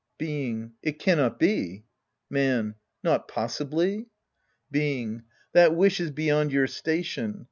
Being. It cannot be. Man. Not possibly ? Being. That wish is beyond your station.